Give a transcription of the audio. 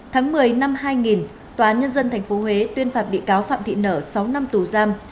tháng một mươi năm hai nghìn tòa nhân dân tp huế tuyên phạt bị cáo phạm thị nở sáu năm tù giam